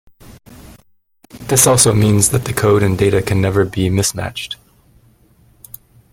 This also means that the code and data can never be mismatched.